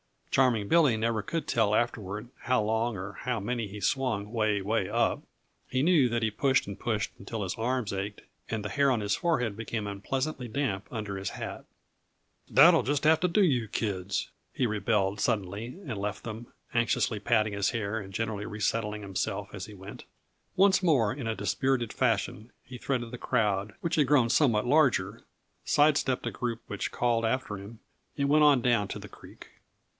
Charming Billy never could tell afterward how long or how many he swung 'way, 'way up; he knew that he pushed and pushed until his arms ached and the hair on his forehead became unpleasantly damp under his hat. "That'll just about have to do yuh, kids," he rebelled suddenly and left them, anxiously patting his hair and generally resettling himself as he went. Once more in a dispirited fashion he threaded the crowd, which had grown somewhat larger, side stepped a group which called after him, and went on down to the creek.